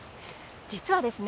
実はですね